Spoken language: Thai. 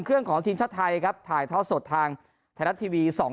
เครื่องของทีมชาติไทยครับถ่ายท่อสดทางไทยรัฐทีวีสอง